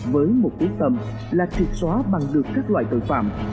với một quyết tâm là triệt xóa bằng được các loại tội phạm